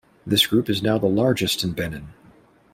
This group is now the largest in Benin.